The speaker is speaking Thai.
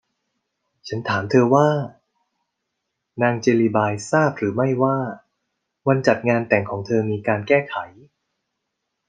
ฉันถามเธอว่า นางเจลลีบายทราบหรือไม่ว่าวันจัดงานแต่งของเธอมีการแก้ไข